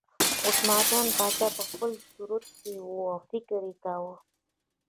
عثمان جان باچا په خپل چورت کې و او یې فکر کاوه.